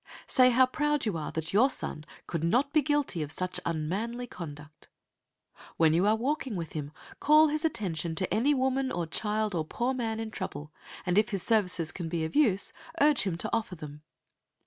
Say how proud you are that your son could not be guilty of such unmanly conduct. When you are walking with him, call his attention to any woman or child or poor man in trouble, and if his services can be of use, urge him to offer them.